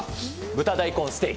豚大根ステーキ。